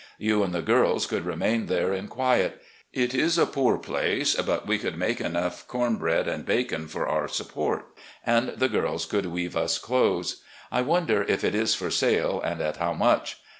You and the girls could remain there in quiet. It is a poor place, but we could make enough corn bread and bacon for our support, and the girls cotild weave us clothes. I wonder if it is for sale and at how much.